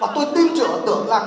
và tôi tin chữ ở tưởng là